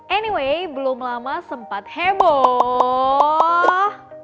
anyway belum lama sempat heboh